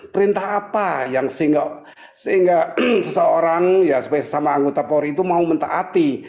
perintah apa yang sehingga seseorang ya sebagai sesama anggota polri itu mau mentaati